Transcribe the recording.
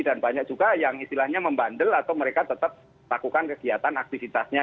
dan banyak juga yang istilahnya membandel atau mereka tetap lakukan kegiatan aktivitasnya